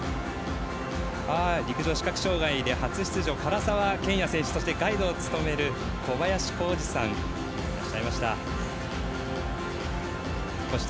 陸上、視覚障がい初出場の唐澤剣也選手とガイドの小林光二さんがいらっしゃいました。